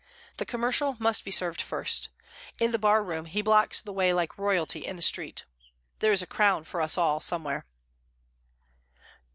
The commercial must be served first; in the barroom he blocks the way like royalty in the street. There is a crown for us all somewhere.